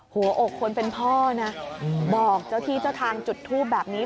หัวอกคนเป็นพ่อนะบอกเจ้าที่เจ้าทางจุดทูปแบบนี้